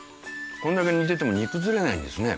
これだけ煮てても煮崩れないんですね。